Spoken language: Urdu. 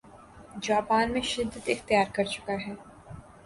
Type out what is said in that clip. جاپان میں شدت اختیار کرچکا ہے